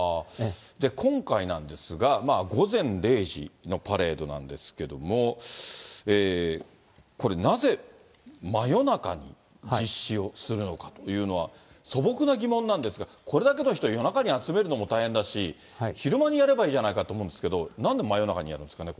今回なんですが、午前０時のパレードなんですけども、これ、なぜ真夜中に実施をするのかというのは、素朴な疑問なんですが、これだけの人、夜中に集めるのも大変だし、昼間にやればいいじゃないかと思うんですけど、なんで真夜中にやるんでしょうかね。